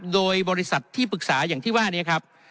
โดยบริษัทที่ปรึกษาอย่างที่ว่านี้ครับ